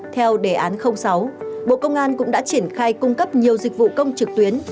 theo đề án sáu bộ công an cũng đã triển khai cung cấp nhiều dịch vụ công trực tuyến